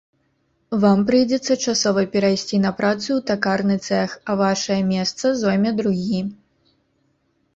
Вам прыйдзецца часова перайсці на працу ў такарны цэх, а вашае месца зойме другі.